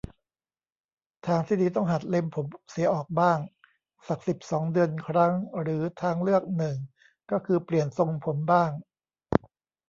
ทางที่ดีต้องหัดเล็มผมเสียออกบ้าง สัก สิบสอง เดือนครั้ง หรือทางเลือกหนึ่งก็คือเปลี่ยนทรงผมบ้าง